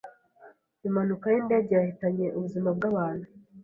Impanuka yindege yahitanye ubuzima bwabantu